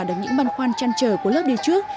đến những băn khoan chăn trở của lớp đi trước